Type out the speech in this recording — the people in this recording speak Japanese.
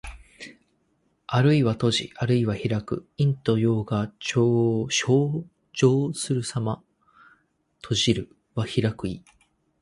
あるいは閉じ、あるいは開く。陰と陽が消長するさま。「闔」は閉じる。「闢」は開く意。